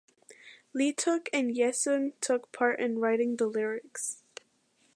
Leeteuk and Yesung took part in writing the lyrics.